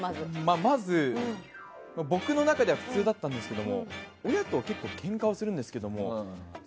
まず、僕の中では普通だったんですけれども親と結構けんかをするんですけど。